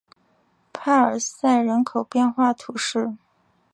帕尔塞人口变化图示